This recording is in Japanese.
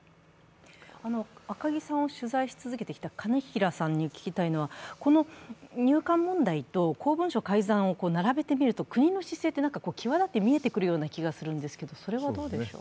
赤木さんを取材し続けてきた金平さんに聞きたいのはこの入管問題と公文書改ざんを並べてみると、国の姿勢って際だって見えてくると思うんですが？